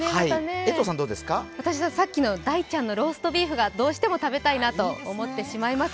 私はさっきの大ちゃんのローストビーフがどうしても食べたいなと思ってしまいます。